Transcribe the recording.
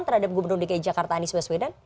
terhadap gubernur dki jakarta anies baswedan